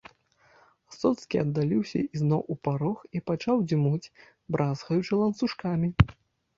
Соцкі аддаліўся ізноў у парог і пачаў дзьмуць, бразгаючы ланцужкамі.